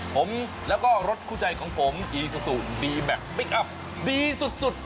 ผมแล้วก็รถคู่ใจของผมอีซูซูดีแบคพลิกอัพดีสุด